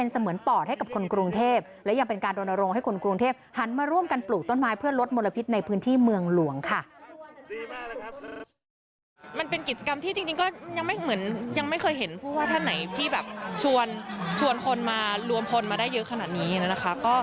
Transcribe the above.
ส่วนคนมารวมพลมาได้เยอะขนาดนี้นะคะ